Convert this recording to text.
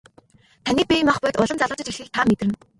Таны бие махбод улам залуужиж эхлэхийг та мэдэрнэ.